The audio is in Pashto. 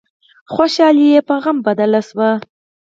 خوشحالي په غم بدله شوه.